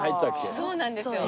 そうなんですよ。